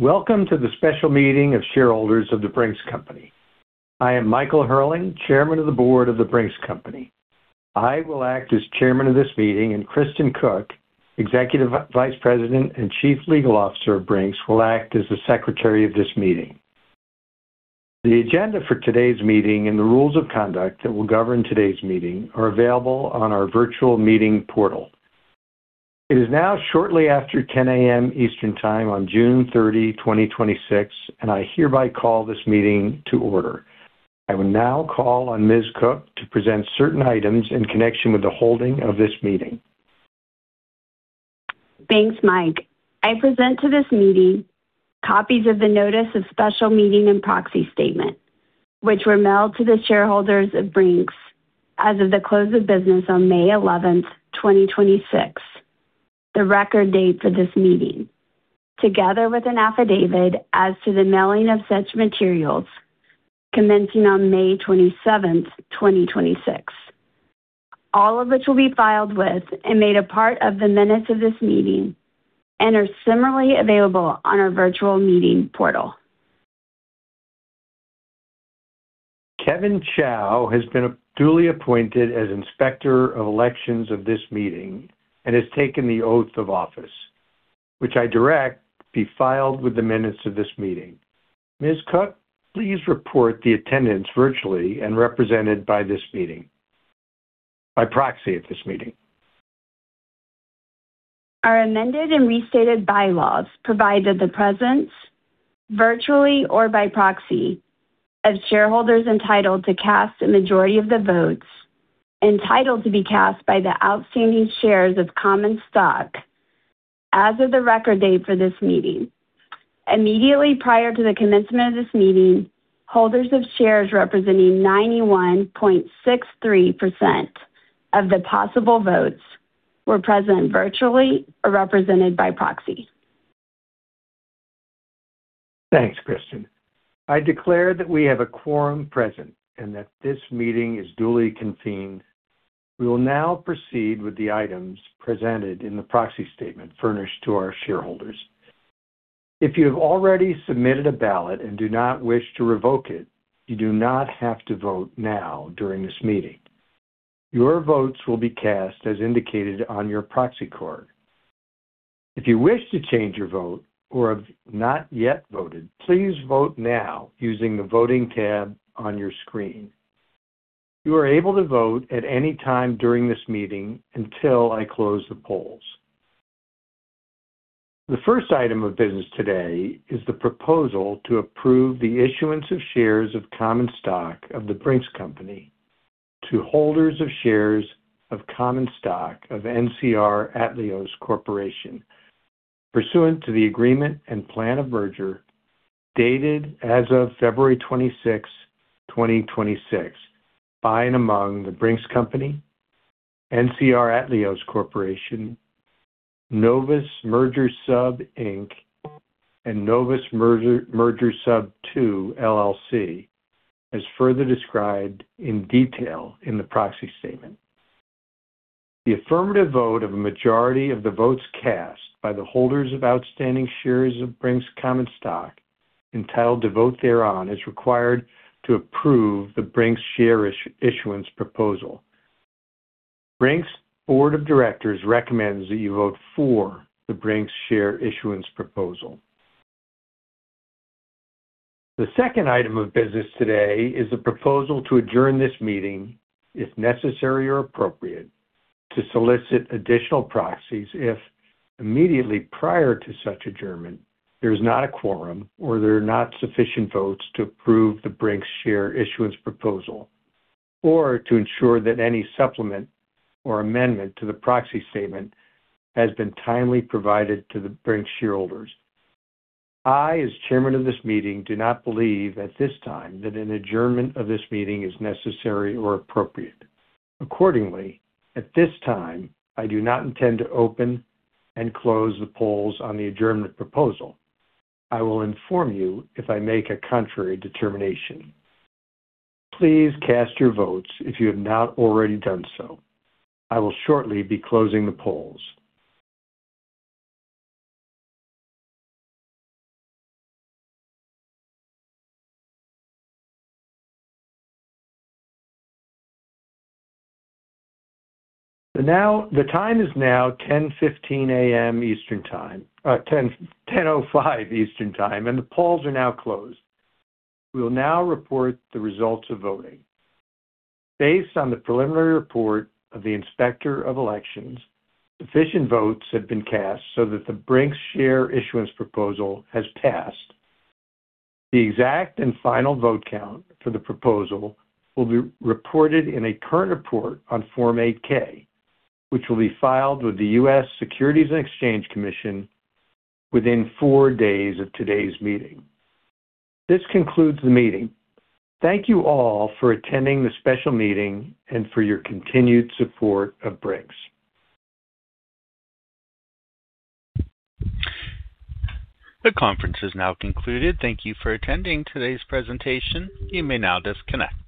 Welcome to the special meeting of shareholders of The Brink's Company. I am Michael Herling, Chairman of the Board of The Brink's Company. I will act as Chairman of this meeting, and Kristen Cook, Executive Vice President and Chief Legal Officer of Brink's, will act as the Secretary of this meeting. The agenda for today's meeting and the rules of conduct that will govern today's meeting are available on our virtual meeting portal. It is now shortly after 10:00 A.M. Eastern Time on June 30, 2026, and I hereby call this meeting to order. I will now call on Ms. Cook to present certain items in connection with the holding of this meeting. Thanks, Mike. I present to this meeting copies of the Notice of Special Meeting and Proxy Statement, which were mailed to the shareholders of Brink's as of the close of business on May 11, 2026, the record date for this meeting, together with an affidavit as to the mailing of such materials commencing on May 27, 2026. All of which will be filed with and made a part of the minutes of this meeting and are similarly available on our virtual meeting portal. Kevin Chow has been duly appointed as Inspector of Elections of this meeting and has taken the oath of office, which I direct be filed with the minutes of this meeting. Ms. Cook, please report the attendance virtually and represented by proxy at this meeting. Our amended and restated bylaws provide that the presence, virtually or by proxy, of shareholders entitled to cast a majority of the votes, entitled to be cast by the outstanding shares of common stock as of the record date for this meeting. Immediately prior to the commencement of this meeting, holders of shares representing 91.63% of the possible votes were present virtually or represented by proxy. Thanks, Kristen. I declare that we have a quorum present and that this meeting is duly convened. We will now proceed with the items presented in the proxy statement furnished to our shareholders. If you have already submitted a ballot and do not wish to revoke it, you do not have to vote now during this meeting. Your votes will be cast as indicated on your proxy card. If you wish to change your vote or have not yet voted, please vote now using the voting tab on your screen. You are able to vote at any time during this meeting until I close the polls. The first item of business today is the proposal to approve the issuance of shares of common stock of The Brink's Company to holders of shares of common stock of NCR Atleos Corporation, pursuant to the agreement and plan of merger dated as of February 26, 2026, by and among The Brink's Company, NCR Atleos Corporation, Novus Merger Sub, Inc., and Novus Merger Sub II, LLC, as further described in detail in the proxy statement. The affirmative vote of a majority of the votes cast by the holders of outstanding shares of Brink's common stock entitled to vote thereon is required to approve the Brink's Share Issuance Proposal. Brink's Board of Directors recommends that you vote for the Brink's Share Issuance Proposal. The second item of business today is a proposal to adjourn this meeting, if necessary or appropriate, to solicit additional proxies if immediately prior to such adjournment, there is not a quorum or there are not sufficient votes to approve the Brink's Share Issuance Proposal, or to ensure that any supplement or amendment to the proxy statement has been timely provided to the Brink's shareholders. I, as chairman of this meeting, do not believe at this time that an adjournment of this meeting is necessary or appropriate. At this time, I do not intend to open and close the polls on the adjournment proposal. I will inform you if I make a contrary determination. Please cast your votes if you have not already done so. I will shortly be closing the polls. The time is now 10:05 A.M. Eastern Time. The polls are now closed. We will now report the results of voting. Based on the preliminary report of the Inspector of Elections, sufficient votes have been cast so that the Brink's Share Issuance Proposal has passed. The exact and final vote count for the proposal will be reported in a current report on Form 8-K, which will be filed with the U.S. Securities and Exchange Commission within four days of today's meeting. This concludes the meeting. Thank you all for attending the special meeting and for your continued support of Brink's. The conference is now concluded. Thank you for attending today's presentation. You may now disconnect.